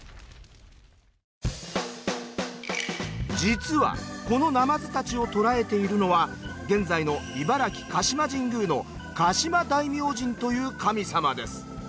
実はこのなまずたちを捕らえているのは現在の茨城鹿島神宮の鹿島大明神という神様です。